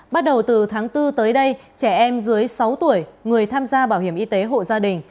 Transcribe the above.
bắt đầu từ tháng bốn tới đây trẻ em dưới sáu tuổi người tham gia bảo hiểm y tế hộ gia đình